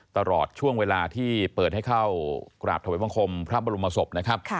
ตลอดช่วงเวลาที่เปิดให้เข้ากราบถวายบังคมพระบรมศพนะครับ